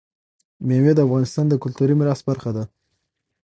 مېوې د افغانستان د کلتوري میراث برخه ده.